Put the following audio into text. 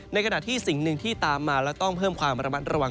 ในขณะที่สิ่งหนึ่งที่ตามมาและต้องเพิ่มความระมัดระวัง